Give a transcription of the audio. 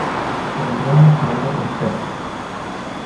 Contiene siete especies.